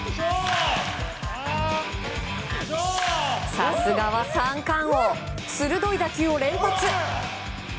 さすがは三冠王鋭い打球を連発。